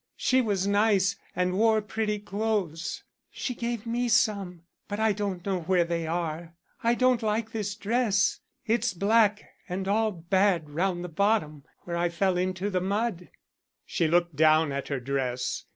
She was nice and wore pretty clothes. She gave me some, but I don't know where they are. I don't like this dress. It's black and all bad round the bottom where I fell into the mud." She looked down at her dress.